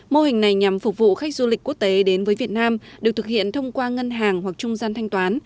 mô hình này nhằm phục vụ khách du lịch quốc tế đến với việt nam được thực hiện thông qua ngân hàng hoặc trung gian thanh toán